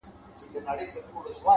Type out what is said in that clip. • په هر کلي کي یې یو جومات آباد کړ,